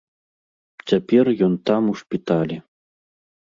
Цяпер ён там у шпіталі.